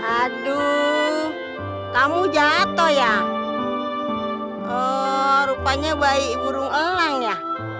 aduh hmm rupanya bayi burung elang ya